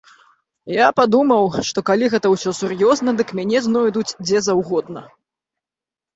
Я падумаў, што калі гэта ўсё сур'ёзна, дык мяне знойдуць дзе заўгодна.